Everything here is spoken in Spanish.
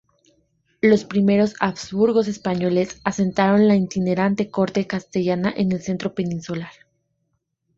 Los primeros Habsburgos españoles asentaron la itinerante corte castellana en el centro peninsular.